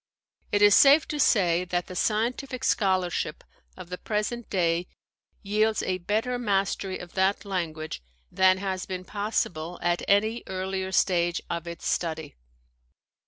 It is safe to say that the scientific scholarship of the present day yields a better mastery of that language than has been possible at any earlier stage of its study.